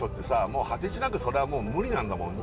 もう果てしなくそれはもう無理なんだもん